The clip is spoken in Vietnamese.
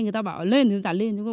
người ta bảo lên thì giả lên